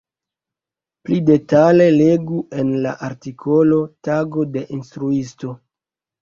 Pli detale legu en la artikolo Tago de instruisto.